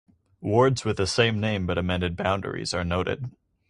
Wards with the same name but amended boundaries are noted.